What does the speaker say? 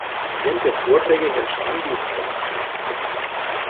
Während der Vorträge herrscht Anwesenheitspflicht.